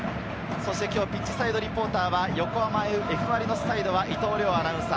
ピッチサイドリポーターは横浜Ｆ・マリノスサイドは伊藤遼アナウンサー。